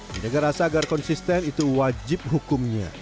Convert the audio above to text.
menjaga rasa agar konsisten itu wajib hukumnya